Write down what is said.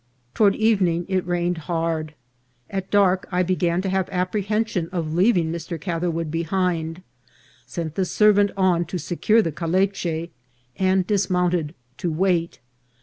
Toward evening it rained hard. At dark I began to have apprehension of leaving Mr. Catherwood behind, sent the servant on to secure the caleche, and dismount ed to wait.